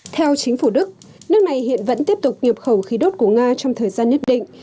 theo chính phủ đức nước này hiện vẫn tiếp tục nhập khẩu khí đốt của nga trong thời gian nhất định